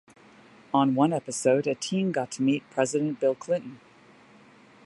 On one episode, a teen got to meet President Bill Clinton.